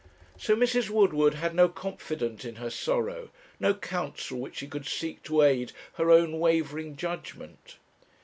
So Mrs. Woodward had no confidant in her sorrow, no counsel which she could seek to aid her own wavering judgement.